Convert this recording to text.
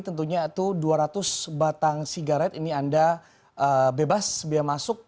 ke dalam negeri tentunya itu dua ratus batang sigaret ini anda bebas bea masuk